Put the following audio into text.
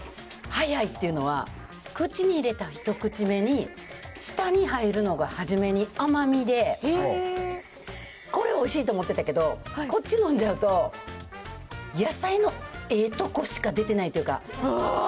あのね、速いっていうのは、口に入れた１口目に、舌に入るのが初めに甘みで、これおいしいと思ってたけど、こっち飲んじゃうと、野菜のええとこしか出てないというか。